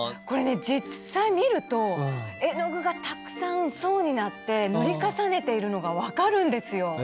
これね実際見ると絵の具がたくさん層になって塗り重ねているのが分かるんですよ。